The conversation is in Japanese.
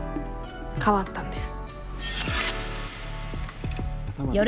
変わったんです。